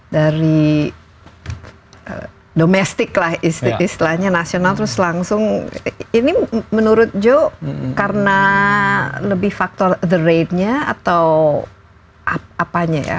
dari domestic lah istilahnya nasional terus langsung ini menurut joe karena lebih factor the rate nya atau apanya ya